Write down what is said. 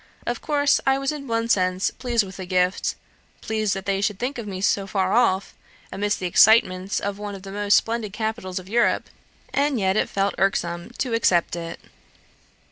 Of course, I was in one sense pleased with the gift pleased that they should think of me so far off, amidst the excitements of one of the most splendid capitals of Europe; and yet it felt irksome to accept it.